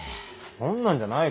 そんなんじゃないから。